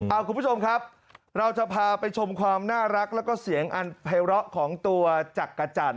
คุณผู้ชมครับเราจะพาไปชมความน่ารักแล้วก็เสียงอันภัยร้อของตัวจักรจันท